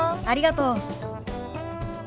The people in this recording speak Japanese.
ありがとう。